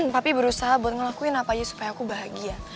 tapi berusaha buat ngelakuin apa aja supaya aku bahagia